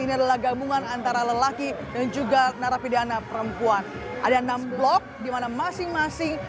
ini adalah gabungan antara lelaki dan juga narapidana perempuan ada enam blok dimana masing masing